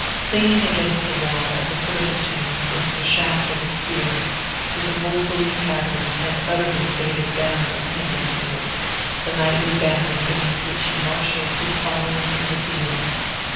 Leaning against the wall, at the foot of the tomb, is the shaft of a spear, with a wofully tattered and utterly faded banner appended to it, the knightly banner beneath which he marshalled his followers in the field.